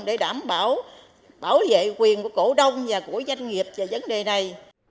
để đảm bảo bảo vệ quyền của cổ đông và của doanh nghiệp về vấn đề này